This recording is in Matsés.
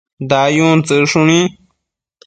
dayun tsëcshuni